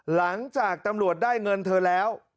หลังจากตำรวจได้เงินเธอแล้ว